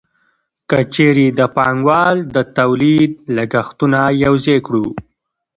که چېرې د پانګوال د تولید لګښتونه یوځای کړو